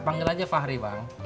panggil aja fahri bang